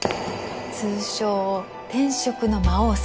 通称転職の魔王様。